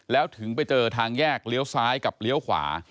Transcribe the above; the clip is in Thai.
แล้วถึงไปเจอทางแยกเลี้ยวซ้ายกับเลี้ยวขวา